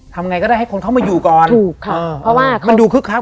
ทำไงก็ได้ให้คนเข้ามาอยู่ก่อนถูกค่ะเพราะว่ามันดูคึกคัก